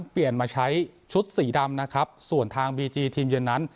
เปลี่ยนมาใช้ชุดสีดำนะครับส่วนทางบีจีทีมเยือนนั้น